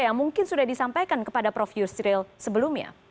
yang mungkin sudah disampaikan kepada prof yusril sebelumnya